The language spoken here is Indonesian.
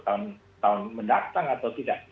tahun mendatang atau tidak